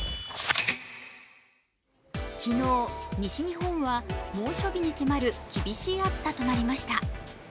昨日、西日本は猛暑日に迫る厳しい暑さとなりました。